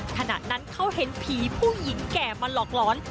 ขณะนั้นเขาเห็นผีผู้หญิงแก่มาหลอกหลอน